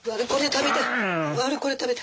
悪いこれ食べて。